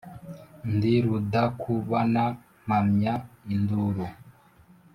ndi rudakubana mpamya induru